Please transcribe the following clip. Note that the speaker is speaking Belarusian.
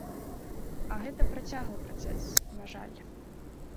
А гэта працяглы працэс, на жаль.